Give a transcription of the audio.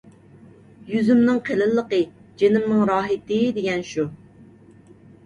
«يۈزۈمنىڭ قېلىنلىقى جېنىمنىڭ راھىتى» دېگەن شۇ.